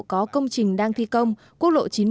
có công trình đang thi công quốc lộ chín mươi